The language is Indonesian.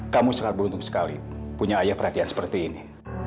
kamu sangat beruntung sekali punya ayah perhatian seperti ini